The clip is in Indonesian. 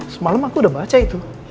semalam aku udah baca itu